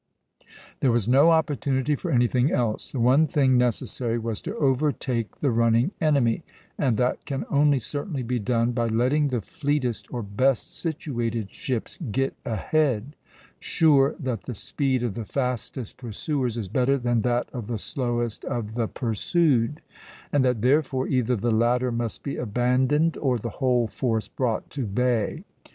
There was no opportunity for anything else; the one thing necessary was to overtake the running enemy, and that can only certainly be done by letting the fleetest or best situated ships get ahead, sure that the speed of the fastest pursuers is better than that of the slowest of the pursued, and that therefore either the latter must be abandoned or the whole force brought to bay.